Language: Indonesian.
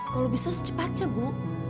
kalau bisa secepatnya bu